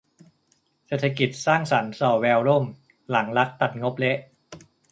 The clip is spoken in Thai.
เศรษฐกิจสร้างสรรค์ส่อแววล่ม หลังรัฐตัดงบเละ